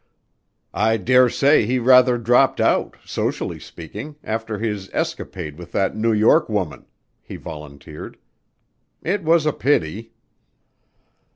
"I dare say he rather dropped out, socially speaking, after his escapade with that New York woman," he volunteered. "It was a pity."